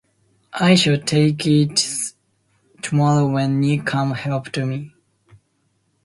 I shall take it tomorrow when Nick comes help to me.